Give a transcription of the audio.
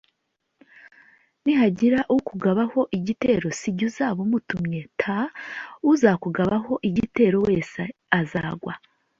Nihagira ukugabaho igitero si jye uzaba mutumye t Uzakugabaho igitero wese azagwa